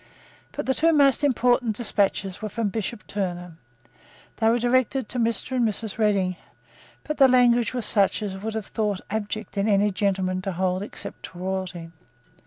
But the two most important despatches were from Bishop Turner. They were directed to Mr. and Mrs. Redding: but the language was such as it would be thought abject in any gentleman to hold except to royalty.